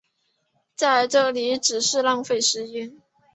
在这里只是浪费时间